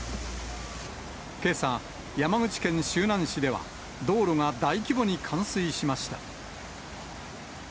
けさ、山口県周南市では、道路が大規模に冠水しました。